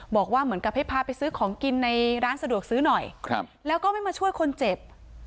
บอกว่าเหมือนกับให้พาไปซื้อของกินในร้านสะดวกซื้อหน่อยแล้วก็ไม่มาช่วยคนเจ็บ